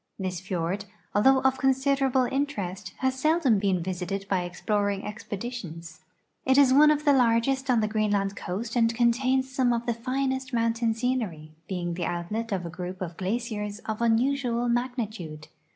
This fiord, although of consider able interest, has seldom been visited by exi)loring expeditions. It is one of the largest on the Greenland coast and contains some of the finest mountain scenery, being the outlet of a group of glaciers of unusual magnitude.